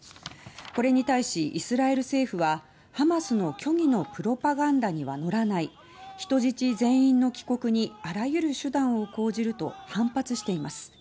これに対し、イスラエル政府はハマスの虚偽のプロパガンダには乗らない人質全員の帰国にあらゆる手段を講じると反発しています。